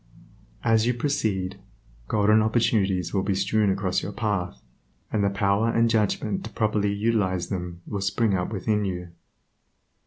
As you proceed, golden opportunities will be strewn across your path, and the power and judgment to properly utilize them will spring up within you.